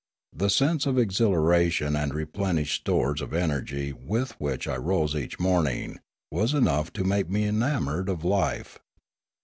The sense of exhilaration and re plenished stores of energy with which I rose each morning was enough to make me enamoured of life.